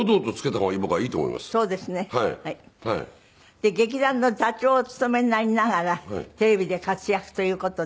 で劇団の座長をお務めになりながらテレビで活躍という事で。